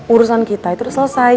urusan kita itu selesai